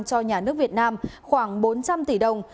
cho nhà nước việt nam khoảng bốn trăm linh tỷ đồng